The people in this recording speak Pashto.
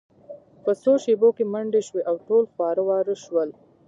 په څو شیبو کې منډې شوې او ټول خواره واره شول